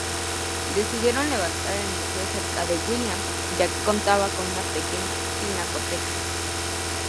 Decidieron levantar el museo cerca del "Williams", que ya contaba con una pequeña pinacoteca.